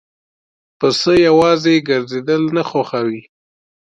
پسه یواځی ګرځېدل نه خوښوي.